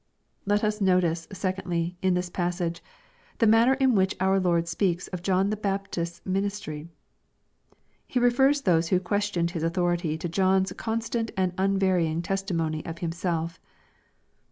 Let us notice, secondly, in this passage, the manner in which our Lord speaks of John the Baptist's ministry. He refers those who questioned His authority to John's constant and unvarying testimony to Himself.